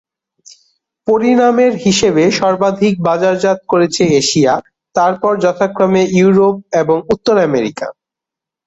পরিমাণের হিসাবে সর্বাধিক বাজারজাত করেছে এশিয়া, তারপর যথাক্রমে ইউরোপ এবং উত্তর আমেরিকা।